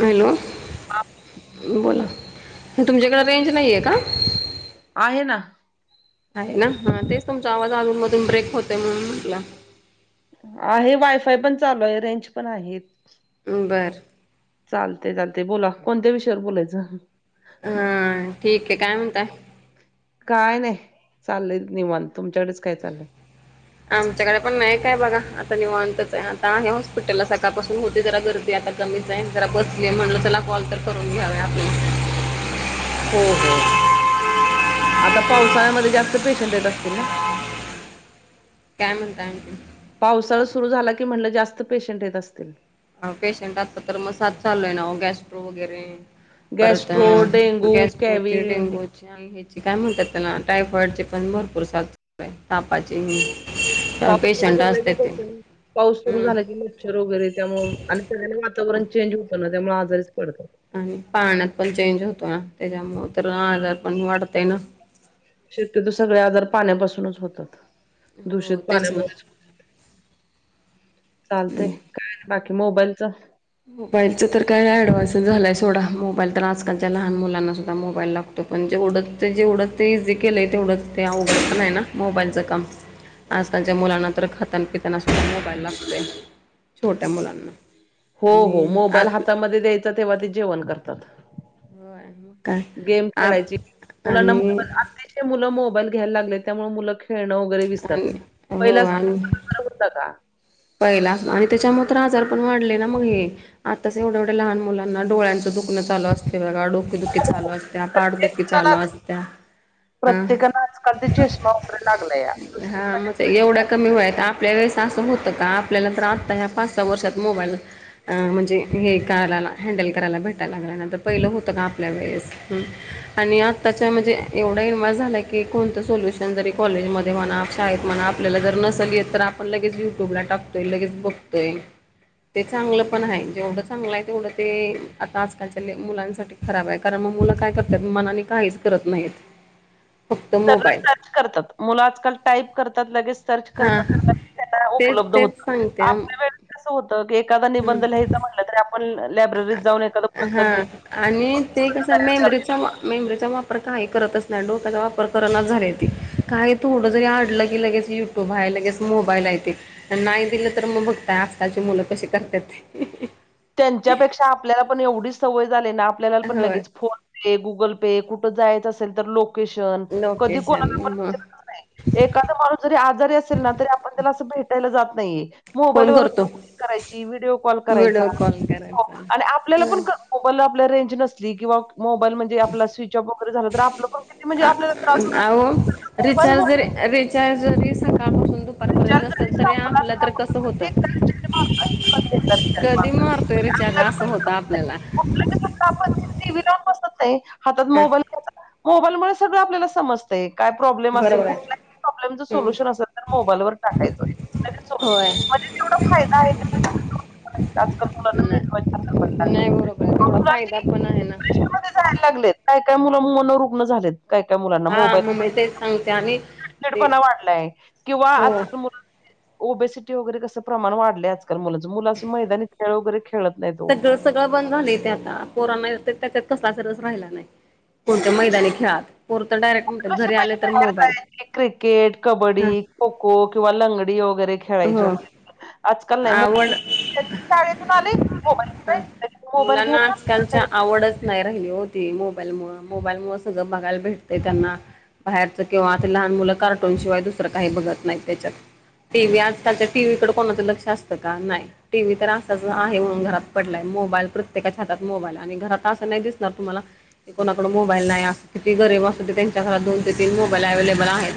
Hello बोला तुमच्याकडें range नाहीये का आहे ना आहे ना ह तेच तुमचा आवाज अजूनमधून ब्रेक होतय म्हणून म्हटलं आहे वायफाय पण चालू आहे रेंज पण आहेत. बरं. चालते चालते बोला कोणत्या विषयावर बोलायचं. हा ठीक आहे काय म्हणताय. काय नाही चाललंय निवान तुमच्याकडेच काय चाललंय. ह. आमच्याकडे पण नाही काय बघा आता नि म्हणतच आहे आता हे हॉस्पिटलला सकाळपासून होते जरा गर्दी आता कमीचईन जरा बसली म्हटलं चला कॉल तर करून घ्यावे आपल्या हो हो आता पावसाळ्यामध्ये जास्त पेशंट येत असतील ना काय म्हणताय आणखी मुलं पावसाळा सुरू झाला की म्हणलं जास्त पेशंट येत असतील पेशंटाचा तर मसाज चालोय ना गॅस्ट्रो वगैरे परत गॅस्ट्रो अ डेंगू गॅस्ट कॅवी होते डेंगू हची काय करतना टायफॉइड पण भरपरस तापाची पाऊस सुर झाला गे पाऊस सुरू झाला गे. हम्म अ वगैरे त्यामुळे आणि सगळना वातावरण चेंज होतं ना त्यामुळे आजारीच पडतं. आणि पाहण्यात पण चेंज होतो ना त्याच्यामुळे तर आजार पण वाढतय ना. शेतकत सगळे आजार पाण्यापासूनच होतात दूषित हो तेच पाण्यामुळे ना चालते काय बाकी मोबाईलच. मोबाईलच तर काय ऍडव्हान्स झालाय सोडा मोबाईल तर आजकालच्या लहान मुलांना सुद्धा मोबाईल लागतो. त पण जे उडत ते जे उडत ते इझी केलं ते उडत ते उघड पण आहे ना मोबाईलचं काम आजकालच्या मुलांना तर खातनपितना सुद्धा मोबाईल लागतोय छोट्या मुलांना हो हो आणि मोबाईल आप हातामध्ये द्यायचा तेव्हा ते जेवण करतात. होय मग काय गेम आप खेळायची मुलांना आणि आ मुलं मोबाईल घ्यायला लागले त्यामुळे मुलं खेळणं वगैरे विसरलं आणि पहिला हो आणि होत का? पहिला आणि त्याच्या मत्र आजार पण वाढले ना मग हे. आताच एवढ्या एवढ्या लहान मुलांना डोळ्यांचं दुखणं ल असते बघ ड. दुे दुखी चालू असत्या पाडदुःखी चालू असत्या. हा प्रत्येकाना आजकाल ते चष्मा वगैरे लागलाय या दृष्ट हा मग एवढ्या कमी वय आपल्या वेळेस असं होतं का आपल्याला त्रता ह पाच सहा वर्षात मोबाईल अ म्हणजे हे करायला हँडल करायला भेटायला लागल्या नंतर पहिलं होतं का आपल्या वेळेस हम्म. आणि आत्ताच्या म्हणजे एवढा इन्व झाला की कोणतं सोल्युशन जरी कॉलेजमध्ये म्हणा शाळेत म्हणा. आपल्याला जर नसलय तर आपण लगेच युट्यूबला टाकतोय लगेच बघतोय. ते चांगलं पण आहे जेवढं चांगलं आहे तेवढं ते आता आजकालच्या मुलांसाठी खराब आहे कारण मग मुलं काय करतय मनाने काहीच करत नाहीत फक्त मोबाईल. मु आजकाल टाईप करतात लगेच सर्च हा करतात तेच उपलब्ध होत तेच सांगते आपल्या वे कं होतं की एखादा हम्म निबंध लिहायचा म्हटलं तर आपण लायब्ररीत जाऊन एखादा हा पुस्तक घ्याय. आणि ते कसं मेंबरीचा मेंबरीचा वापर काही करतच नाही डोक्याचा वापर करनाच झाले त काय थोडं जरी आडलं की लगेच युट्यूब आहे लगेच मोबाईल आहे ते नाही दिलं तर मग बघताय आताची मुलं कशी करतेात ते त्यांच्यापेक्षा आपल्याला पण एवढीच सवय झाली ना आपल्याला पण होय लगेच फोन पे गुगल पे कुठं जायच असेल तर लोकेशन कधी लोकेशन कोणाला पण मग विचारच नाही. एखाद माणूस जरी आजारी असेल ना तरी आपण त्याला असं भेटायला जात नाहीये. मोबाईल फोन करतो [unintelligible] करायची व्हिडीओ कॉल व्हिडिओ करायचा. कॉल हो आणि आपल्याला करायचा पण मोबाल आपल्या रेंज नसली किंवा मोबाईल म्हणजे आपला स्विचॉप वगैरे झालं तर आपलं किती म्हजे आपल्याला त्रास होतो मोबाईल, मोबाईल त्या जरी सकाळपासून दु पार विचार पर्यंत नसल जरी तर संपला आपलं तरी तर आपण कसं होत. प्रत्येक जण विचार मारतोय प्रत्येक जण विचार कधी मारतोय म्हणजे रिचार्ज आपल्याला असं पण होत कळत नाही. आपल्याला. कुठलं की समजा आपण टीव्ही लावून बसत नाही हातात हा मोबाईल घ्याचा मोबाईल मुळ सगळं आपल्याला सम तय काय प्रॉब्लेम असलं बरोबर आहे. कुठलाही प्रॉब्लेमच हम्म सोल्युशन असलं तर मोबाईलवर टाकायचं नाही तर होय हा आहे. तेवढा तोटा पण आहे. आजकाल मुलांना नाही मेंदवाची आजार व्हायला लागली. नाही बरोबर आहे तेवढा फायदा पण आहे ना लागत काय काय मुल मनोरुग्ण झाले. काय काय मुलांना? हा म्ई तेच सांगते आणि ते पणा वाढलाय किंवा हो. आजकाल मु ओबेसिटी वगैरे कसं प्रमाण वाढल्याच. मुलाच मुलं असशी मैनी खेळ वगैरे खेळत नाही ओ. सगळं सगळं बंद झाले ते आता पोरांना य त्यात कसलाच रस राहिला नाही. कोणत्या मैदानी खेळात पोर तर डायरेक्ट म्हणतात कशी घरी आले तर पहिले मोबाईल. [unintelligible] क्रिकेट, कबड्डी, हा खो खो, किंवा लंगडी व वगैरे खेळायचे हो आवड तिथून आली मोबाईल कुठेय [unintelligible] मोबाईल घ्याचा त्यांच्या आवडच नाही राहिली होती मोबाईल मुळ मोबाईल मुळ सगळं बघायला भेटते त्यांना. बाहेरच किंवा आता लहान मुलं कार्टून शिवाय दुसरं काही बघत नाहीत त्याच्यात. टी व्ही आजकालच्या टीव्ही कडे कोणाचं लक्ष असतं का? नाही. टी व्ही तर असाच आहे म्हणून घरात पडलाय मोबाईल प्रत्येकाच्या हातात मोबाईल आणि घरात असं नाही दिसणार तुम्हाला ते कोणाकड मोबाईल नाही अस किती गरीब असुदे त्यांच्या घरात दोन ते तीन मोबाईल अव्हेलेबल आहेत.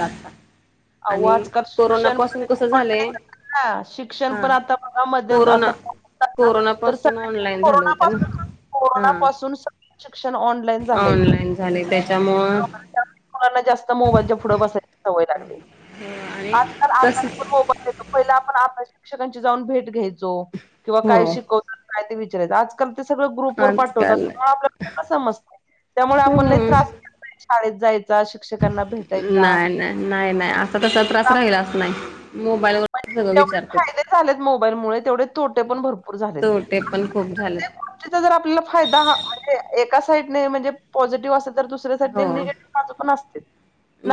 अहो आणि कोरोना पासून कस झालंय ह शिक्षण पण हा आता बघा मध्ये कोरोना आता कोरोना तर पासून सगळ ऑनलाईन झालं कोरोना होतं पासुन ना. कोरोना हा पासून सगळ शिक्षण ऑनलाइन झालेय. ऑनलाईन झाले त्याच्यामुळं [unintelligible] ना जास्त मोबाईलच्या पुढ बसायची सवय लागली आणि आजकाल आपण तस पण मोबाईल पहिला आपण आपल्या शिक्षकांची जाऊन भेट घ्यायचो किंवा हो काय शिकवतात काय ते विचारायचं आज कारन ते सगळं ग्रुपवर पाठवतात, आजकाल आपल्याला समजतंय त्यामुळं आपण लई हम्म त्रास शाळेत जायचा शिक्षकांना भेट नाही नाही नाही नाही आता तसा त्रास राहिलाच नाही मोबाईल म्हणजे जेवढे फायदे झालेत मोबाईल मुळे तेवढे तोटे पण भरपूर झालेत. तोटे पण खूप झालेत. [unintelligible] चा जर आपल्याला फायदा हा म्हणजे एका साईडने म्हणजे पॉझिटिव्ह असेल तर दुसऱ्या साईडने हो निगेटिव्ह बाजू पण असतेत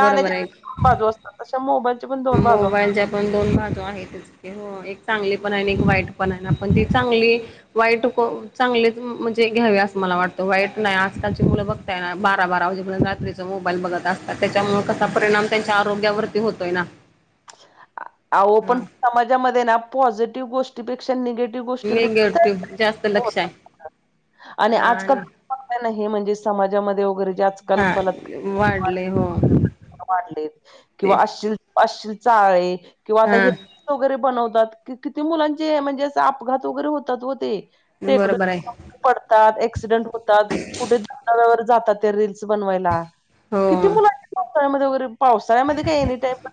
बरोबर आहे. दोन बाजू असतात तस मोबाईलच्या पण दोन बाजू आहेत. मोबाईलच्या पण दोन बाजू आहेतच कि हो एक चांगली पण आहे एक वाईट पण आहे आपण ती चांगली वाईट चांगलेच म्हणजे घ्यावे असं मला वाटतं वाईट नाही आजकालची मुलं बघ बारा बारा वाजेपर्यंत रात्रीचा मोबाईल बघत असतात त्याच्यामुळे कसा परिणाम त्यांच्या आरोग्यावरती होतोय ना. आहो हा पण समाजामध्ये ना पॉझिटिव्ह गोष्टी पेक्षा निगेटिव्ह गोष्टी निगेटिव्ह जास्त लक्ष आहे [unintelligible] आणि आजकाल [unintelligible] नाही म्हणजे समाजामध्ये वैगेरे आजकाल हा बलात्कार वाढले हो [unintelligible] वाढलेत ते किंवा अशील अशील चाळे किंवा आता हा हे वगैरे बनवतात किती मुलांचे म्हणजे अस अपघात वगैरे होतात हो ते. बरोबर आहे [unintelligible] पडतात ऍक्सिडेंट होतात कुठे जा जातात ते रीलस बनवायला. हो किती मुलं आहेत पावसाळ्यामध्ये वगैरे पावसाळ्यामध्ये का एनीटाइम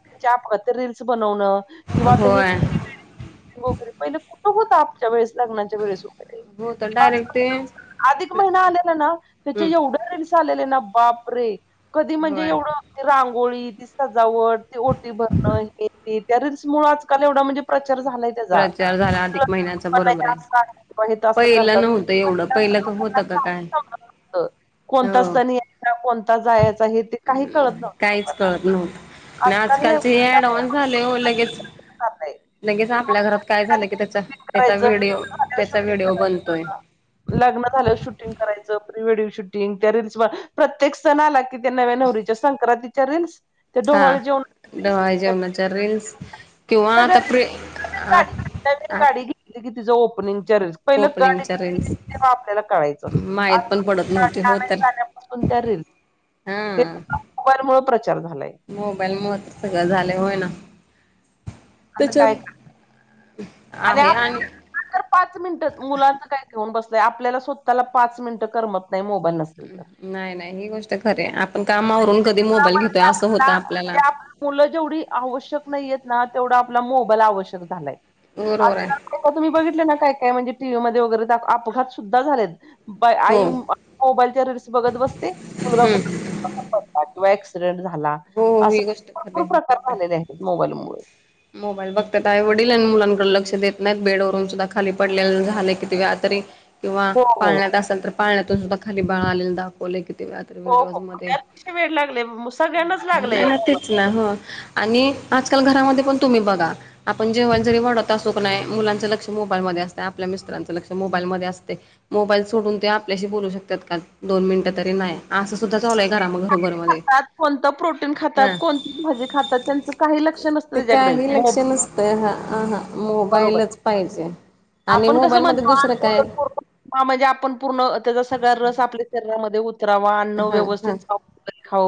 रीलस बनवण किंवा आता हे होय वर पहिले होता आपच्या वेळेस लग्नाच्या वेळेस वगैे हो तर डायरेक्ट ते अधिक महिना आलेला ना त्याच्या एवढ्या- झालेले ना बाप रे कधी म्हणजे होय एवढं ती रांगोळी, ती सजावट, ती ओटी भर हे ते त्याच मुळ आजकाल एवढा म्हणजे प्रचार झालाय. हे प्रचार झाला अधिक महिन्याचा बरोबर आहे. असं पहिलं करतात नव्हतं एवढं पहिलं का होतं का काय आप [unintelligible] कोणता सण यायचा कोणता जायच हे ते काही हम् कळत नव्हतं काहीच लोकांना कळत नव्हत आजकाल हे आजकालचे त्या ऍडवन्स झाले हो मोबाईलमध्ये लगेच प्रचार चाललाय. लगेच आपल्या घरात काय लग्नाच्या झालं की त्याचा त्याचा आधी शूटिंग करायचं लग्न व्हिडिओ झाल्यावर त्याचा शूटिंग व्हिडिओ बनतोय. करायचं. लग्न झालं शूटिंग करायचं प्री वेडिंग शूटिंग त्या रील्स म प्रत्येक सण आला की त्या नव्या नवरीच्या संक्रांतीच्या रील्स ते डोहाळी जेवण डोहाळे जेवणाच्या रीलस किंवा सगळ्या आता प्रि आ म्ह कि तिचं ओपनिंग च्या रिअल्स ओपनंग जर आपल्याला कळायचं आज नव्हती हो आनंद तर झाल्यापासून त्या रील हा मोबाईल मु प्रचार झालाय मोबाईल म सगळं झाले होय ना आता त्याच्या काय का आहे आणि पाच मिनिट मुलांच काय घेऊन बसलंय आपल्याला स्वतःला पाच मिनिटं करमत नाही मोबाईल न नाही नाही ही गोष्ट खरे आपण कामावरून कधी मोबाईल घेतोय जीवनामध्ये असं आपला होतं आपल्याला म्हणजे आपली मुलं जेवढी आवश्यक नाहीय आहेत ना तेवढा आपला मोबाईल आवश्यक झालाय बरोबर आहे आजकाल का तुम्ही बघितले ना काय म्हणजे टी व्ही मध्ये वगैरे अपघात सुद्धा झालेत बा हो आई मोबाईलच्या रस बघत बसते मुलगा हम्म पड किंवा ऍक्सिडेंट झाला हो हो असा ही गोष्ट खरी भरपूर आहे मग प्रकार काय झालेले आहेत मोबाईलमुळे मोबाईल बघत आ ववडीलल आणि मुलांकडडे लक्ष देत नाहीत बेडवरून सुद्धा खाली पडले झाले कि ते व्या किंवा हो हो पाळण्यात असाल तर पाळण्यातून सुद्धा खाली बाळा आले दाखवले क तर हो व्हिडिओज हो मध्ये त्यात वेड लागले सगळ्यांनाच लागलंय मोबाईल तेच ना हो आणि आजकाल घरामध्ये पण तुम्ही बघा आपण जेव्हा जरी वाढत असोक नाही मुलांचं लक्ष मोबाईल मध्ये असत आपल्या मितत्रांचं लक्ष मोबाईलमध्येध्ये असते मोबाईल सोडून ते आपल्याशी बोलू शकतात का दोन मिनट तरी नाही असं सुद्धा चालूय घरा मग खातात कोणतं प्रोटीन खातात कोणती भाजी खातात त्यांचं काही लक्ष नसत ते काही लक्ष नसतं हा ह हा बरोबर मोबाईलच पाहिजे आणि आपण कसं म मोबाईलमध्ये दुसरं काय ह म्हणजे आपण पूर्ण त्याचा सगळा्या रस आपल्या शरीरामध्ये उतरावा अन्न हा हा व्यवस्थित हो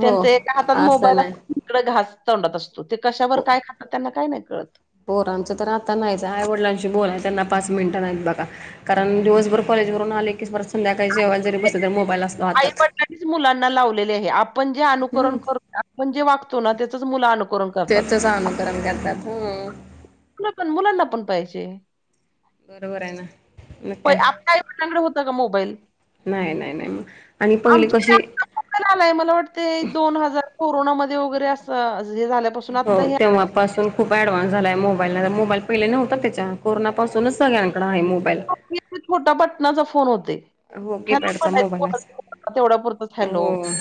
हो त्यांचा एका हातात असं मोबाईल अस नाही तकड घास तोंडत असतो ते कशावर काय खातात त्यांना काय नाही कळत होोर आमचं तर आता नाहीच आईवडिलांशी बोलाय त्यांना पाच मिनिटं नाहीत बघा कारण दिवसभर कॉलेजवररून आले कीस बर संध्याकाळीच्या जेळेला जरी बसले तरी मोबाईल असतो आई हातात मुलांना लावलेले आहे आपण जे अनुकरण कर आपण जे वागतो ना त्याचच मुलं अनुकरण करतात हम तुला पण मुलांना पण पाहिजे बरोबर आहे ना मग प काय आपल्या कलांकडे होतं का मोबाईल नाही नाही नाही मग आणि पहिली कशी? ला आलाय मला वाटत दोन हजार कोरोनामध्येध्ये वगैरे असं झा हो तेव्हापासून खूप ऍडव्हान्स झालाय मोबाईलला मोबाईल पहिले नव्हता त्याच्या कोरोनापासूनच सगळ्यांकड आहे मोबाईल. छोट्या बटनाचा फोन होते हो हॅलो. कीपॅडचा मोबाईल असा तेवढा पुुरत हॅलो. हो.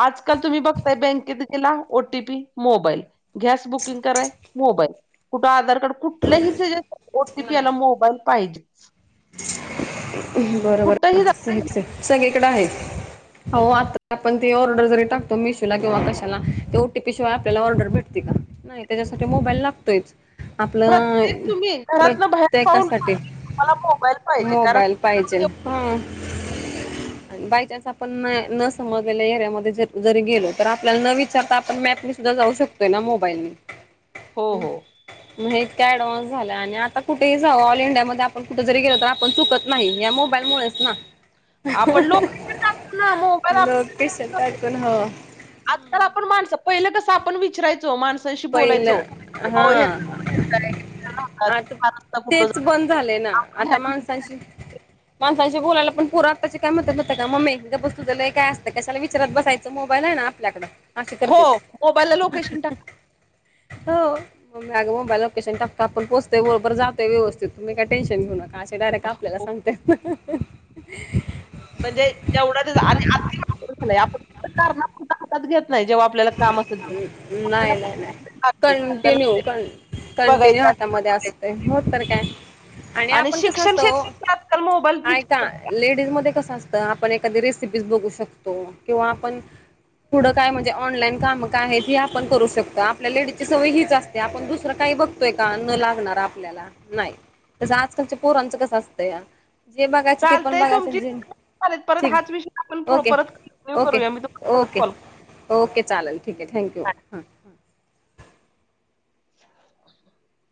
आजकाल तुम्ही बघताय बँकेत गेला ओटीपी मोबाईल गॅस बुकिंग कराय. मोबाईल कुठं आधार कार्ड कुठलंही ओटीपी याला मोबाईल पाहिजे. [inaudible] बरोबर कुठही जा सगळीकडे आहे हो आता आपण ती ऑर्डर जरी टाकतो मिशोला किंवा कशाला ते ओटीपी शिवाय आपल्याला ऑर्डर भेटते का? नाही त्याच्यासाठी मोबाईल लागतोयचं. प्रत्येक तुम्ही घरातनं बाहेर पाऊल प्रत्येकासाठी तुम्हाला मोबाईल पाहिजे कारण मोबाईल पाहिजेल हं बाय चान्स आपण न न समजलेल्या एरियामध्ये ज जरी गेलो तर आपल्याला न विचारता आपण मॅपनी सुद्धा जाऊ शकतो. ना मोबाईल हो हो. म्हणजे इतका ऍडव्हान्स झाला आणि आता कुठेही जाऊ ऑल इंडियामध्येध्ये आपण कुठे गे आपण चुकत नाही या मोबाईलमुळेच ना. आपण लोक ना मोबाल लोकेशन टाकून हो आजकाल आपण माणसं पहिलं कसं आपण विचरायचो माणस. बोलायचो पहिलं हा कुठ? आता तेच बंद झाले ना आता माणसांची माणसांशी बोलायला पण पोरं आताची काय म्हणतात माहिते काय मग्मी इथं बस तुझ लय काय असतं. काशाला विचरत बसायचं मोबाईल आहे ना. पल्याकडं [unintelligible] हो मोबाईल ला लोकेशन टाक. हो. मम्मी मोबाईल लोकेशन टकतोय आपण पोहचतोय बरोबर जातोय व्यवस्थीत तम्ही काय टेन्शन घेऊ नका. डायरेक्ट आपल्याला टाकतो सांगतंय. म्हणजे जेवढं आणि आ झा आपण कुठ हातात घेत नाही जेव्हा- आपल्याला काम असेल ते. आपल्याला नाही नाही नाही पण लागतंय, छंद कंटिन्यू लागतंय, कंटि कंटिन्यू बघायचा हातामध्ये असतय हो तर काय? आणि आपण कस शिक्षण असतो वो क्षेत्रात आजकाल मोबाईल ऐंका विचारतो नाही का लेडीज मध्ये कसं असतं आपण एखादी रेसिपी बघू शकतो किंवा आपण पुढं काय म्हण ऑनलाईन काम काय आहेत हे आपण करू शकतो आपल्या लेडीज ची सवय हीच असते आपण दुसरं काही बघ तोय का न लागणार आपल्याला नाही तस आजकालच्या पोरांचं कसं असतंयया जे बघायचं ते पण बघायचं जे चालेलं परत ठीक हाच आहे, विषय आपण ओके परत कंन्टीन्यु ओके करूया मी तुम्हाला परत ओके कॉल करते ओके चालेल ठीक आहे थँक्यू ह. [unintelligible]